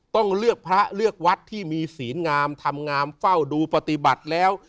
ต้องเลือกพระเลือกวัดที่มีศีลงามทำงามเฝ้าดูปฏิบัติแล้ว